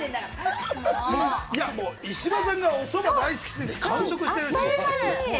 石破さんがおそば大好きすぎて完食してるし。